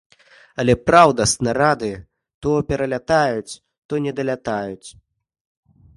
Але, праўда, снарады то пералятаюць, то не далятаюць.